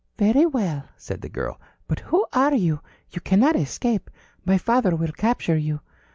"Very well," said the girl. "But who are you? You cannot escape. My father will capture you."